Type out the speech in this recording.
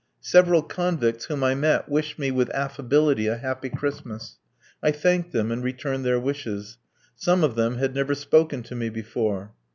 Several convicts whom I met wished me, with affability, a happy Christmas. I thanked them and returned their wishes. Some of them had never spoken to me before.